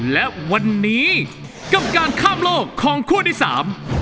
และวันนี้กับการข้ามโลกของคู่ที่สาม